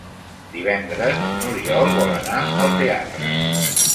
Divendres n'Oriol vol anar al teatre.